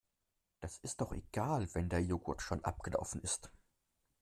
Das ist doch egal wenn der Joghurt schon abgelaufen ist.